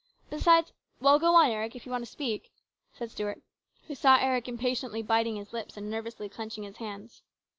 Besides well, go on, Eric, if you want to speak," said Stuart, who saw Eric impatiently biting his lips and nervously clenching his hands.